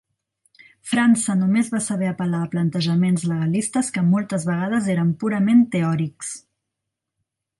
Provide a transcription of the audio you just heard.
França només va saber apel·lar a plantejaments legalistes que moltes vegades eren purament teòrics.